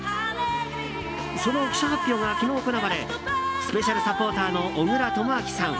その記者発表が昨日、行われスペシャルサポーターの小倉智昭さん